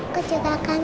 aku juga kangen sama mama